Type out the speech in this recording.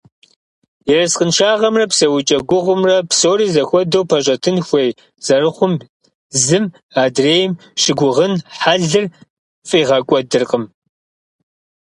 Ерыскъыншагъэмрэ псэукӏэ гугъумрэ псори зэхуэдэу пэщӏэтын хуей зэрыхъум зым адрейм щыгугъын хьэлыр фӏигъэкӏуэдыркъым.